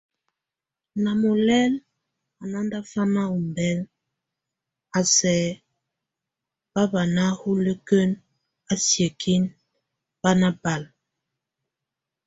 Na molɛl a nándafam ombɛl a sɛk bá bana huleken, á sielekin bá nabal.